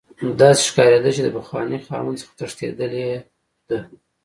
داسې ښکاریده چې د پخواني خاوند څخه تښتیدلی دی